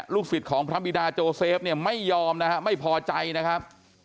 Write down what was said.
ลูกศิษย์ของพระมิดาโจเซฟไม่ยอมนะครับไม่พอใจนะครับ